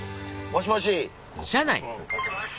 もしもし。